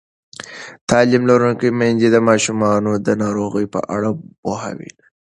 تعلیم لرونکې میندې د ماشومانو د ناروغۍ په اړه پوهاوی لري.